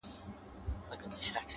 o حدِاقل چي ته مي باید پُخلا کړې وای؛